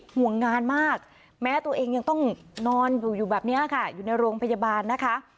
ห่วงงานมากแม้ตัวเองยังต้องนอนอยู่อยู่แบบนี้ค่ะอยู่ในโรงพยาบาลนะคะ